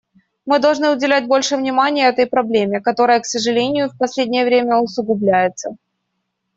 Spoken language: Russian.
Мы должны уделять больше внимания этой проблеме, которая, к сожалению, в последнее время усугубляется.